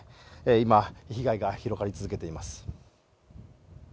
今、被害が広がり続けています。